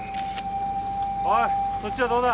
おいそっちはどうだ？